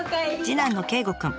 次男の啓悟くん。